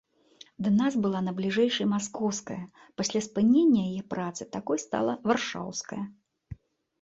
Для нас была найбліжэйшай маскоўская, пасля спынення яе працы такой стала варшаўская.